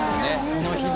その日の。